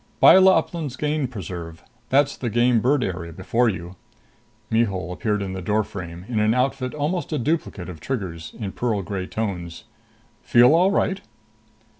"Byla Uplands Game Preserve. That's the game bird area before you." Mihul appeared in the doorframe, in an outfit almost a duplicate of Trigger's, in pearl gray tones. "Feel all right?"